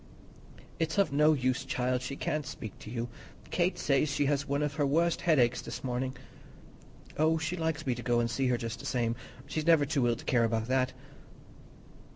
"It's of no use, child; she can't speak to you. Kate says she has one of her worst headaches this morning." "Oh, she likes me to go and see her just the same; she's never too ill to care about that."